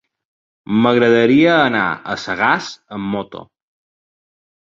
M'agradaria anar a Sagàs amb moto.